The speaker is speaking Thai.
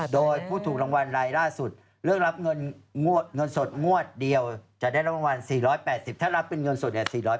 โดยผู้ถูกรางวัลรายล่าสุดเลือกรับเงินสดงวดเดียวจะได้รับรางวัล๔๘๐ถ้ารับเป็นเงินสดเนี่ย